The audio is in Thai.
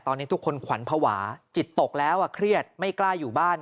ตอนนี้ทุกคนขวัญภาวะจิตตกแล้วเครียดไม่กล้าอยู่บ้าน